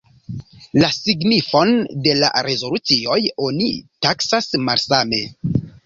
La signifon de la rezolucioj oni taksas malsame.